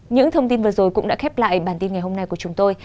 những thông tin vừa rồi cũng đã khép lại bản tin ngày hôm nay của chúng tôi